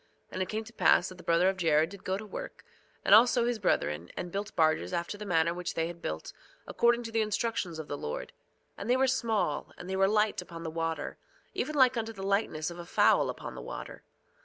And it came to pass that the brother of Jared did go to work, and also his brethren, and built barges after the manner which they had built, according to the instructions of the Lord. And they were small, and they were light upon the water, even like unto the lightness of a fowl upon the water.